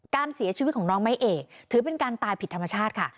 การเสียชีวิตของน้องไม้เอกถือเป็นการตายผิดธรรมชาติค่ะ